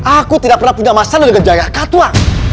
aku tidak pernah punya masalah dengan jaya katua